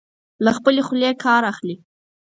له خپلې خولې کار اخلي.